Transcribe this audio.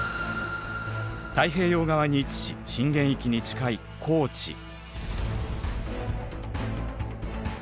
太平洋側に位置し震源域に近い高知。